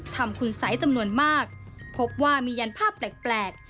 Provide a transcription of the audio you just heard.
ทำคุณสัยจำนวนมากพบว่ามียันภาพแปลก